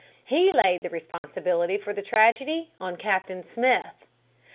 He laid the responsibility for the tragedy on Captain Smith.